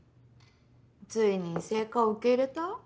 ついに異性化を受け入れた？